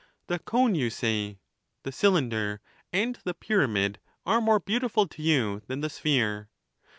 The cone, you say, the cylinder, and the pyramid, are more beautiful to you than the sphere.